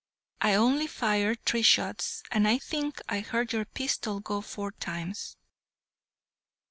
I only fired three shots, and I think I heard your pistol go four times."